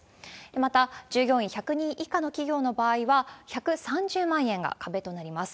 また、従業員１００人以下の企業の場合は、１３０万円が壁となります。